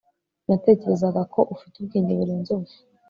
natekerezaga ko ufite ubwenge burenze ubwo